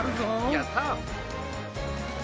やった。